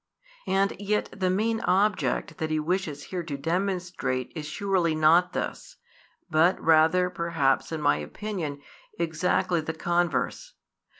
And yet the main object that He wishes here to demonstrate is surely not this, but rather perhaps in my opinion exactly the converse.